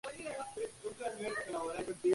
Primero fue una gran mastaba.